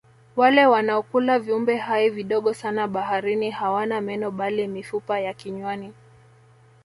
wale wanaokula viumbe hai vidogo sana baharini hawana meno bali mifupa ya kinywani